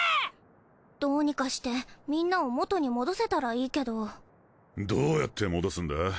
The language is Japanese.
どうにかしてみんなを元に戻せたらいいけどどーやって戻すんだ？